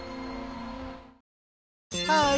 ハーイ！